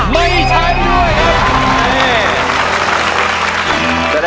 ไม่ใช่ค่ะ